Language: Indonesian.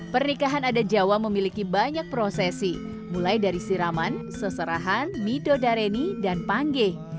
pernikahan adat jawa memiliki banyak prosesi mulai dari siraman seserahan midodareni dan pangeh